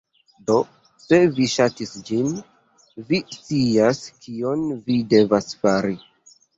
Do se vi ŝatis ĝin, vi scias kion vi devas fari